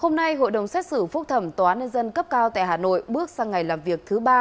hôm nay hội đồng xét xử phúc thẩm tòa án nhân dân cấp cao tại hà nội bước sang ngày làm việc thứ ba